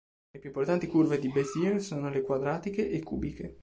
Le più importanti curve di Bézier sono le quadratiche e cubiche.